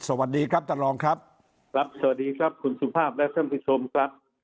สวัสดีครับท่านรองครับครับสวัสดีครับคุณสุภาพและท่านผู้ชมครับ